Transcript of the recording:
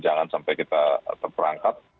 jangan sampai kita terperangkap